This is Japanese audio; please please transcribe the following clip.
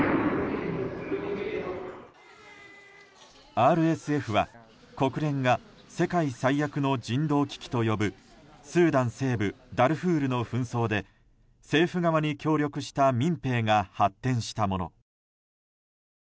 ＲＳＦは国連が世界最悪の人道危機と呼ぶスーダン西部ダルフールの紛争で政府側に協力した民兵が発展したもの。